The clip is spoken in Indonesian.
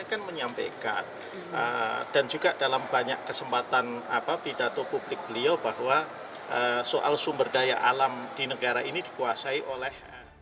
saya kan menyampaikan dan juga dalam banyak kesempatan apa pidato publik beliau bahwa soal sumber daya alam di negara ini dikuasai oleh